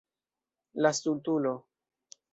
La stultulo.